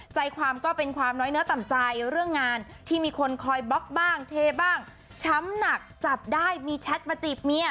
ใจความก็เป็นความน้อยเนื้อต่ำใจเรื่องงานที่มีคนคอยบล็อกบ้างเทบ้างช้ำหนักจับได้มีแชทมาจีบเมีย